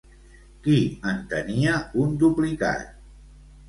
Qui en tenia un duplicat?